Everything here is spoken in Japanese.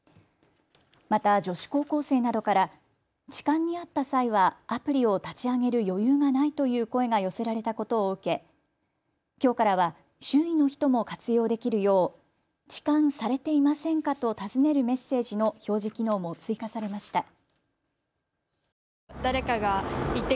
また女子高校生などから痴漢に遭った際はアプリを立ち上げる余裕がないという声が寄せられたことを受け、きょうからは周囲の人も活用できるようちかんされていませんか？と尋ねるメッセージの表示機能も追加されました。